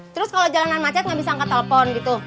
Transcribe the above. terus kalo jalanan macet gak bisa angkat telepon gitu